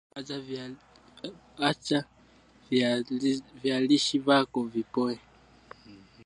Acha viazi lishe vyako vipoe